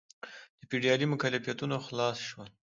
د فیوډالي مکلفیتونو خلاص شول.